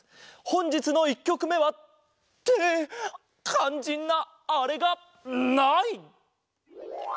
ほんじつの１きょくめは。ってかんじんなあれがない！